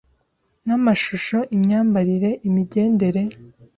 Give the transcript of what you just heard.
nk’amashusho, imyambarire, imigendere,